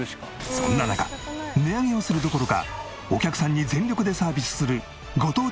そんな中値上げをするどころかお客さんに全力でサービスするご当地